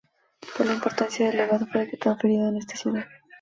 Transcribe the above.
Por la importancia del evento fue decretado feriado en esa ciudad.